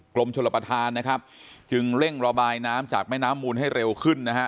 กรมชลประธานนะครับจึงเร่งระบายน้ำจากแม่น้ำมูลให้เร็วขึ้นนะฮะ